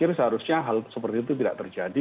jadi seharusnya hal seperti itu tidak terjadi